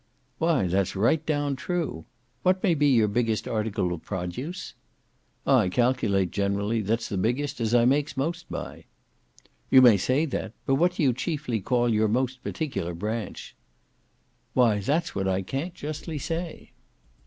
"Why, that's right down true. What may be your biggest article of produce?" "I calculate, generally, that's the biggest, as I makes most by." "You may say that. But what do you chiefly call your most particular branch?" "Why, that's what I can't justly say."